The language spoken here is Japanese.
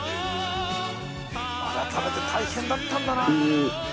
あらためて大変だったんだな。